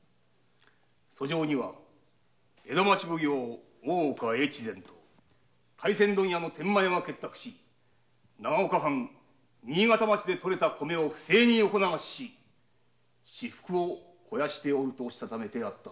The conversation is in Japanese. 訴状には「江戸町奉行・大岡越前と廻船問屋・天満屋が結託し長岡藩新潟町で取れた米を不正に横流しし私腹を肥やしている」と認めてあった。